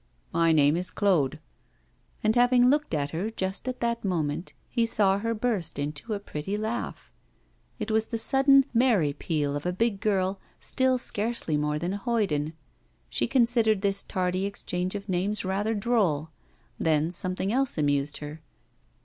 'My name is Claude.' And, having looked at her just at that moment, he saw her burst into a pretty laugh. It was the sudden, merry peal of a big girl, still scarcely more than a hoyden. She considered this tardy exchange of names rather droll. Then something else amused her.